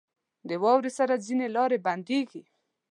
• د واورې سره ځینې لارې بندېږي.